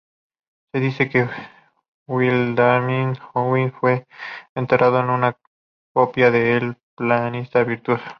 Se dice que Vladimir Horowitz fue enterrado con una copia de "El pianista virtuoso".